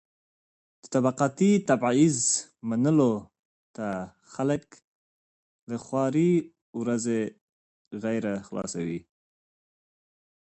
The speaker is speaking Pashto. د طبقاتي تبعيض منلو ته خلک له خوارې ورځې غېږه خلاصوي.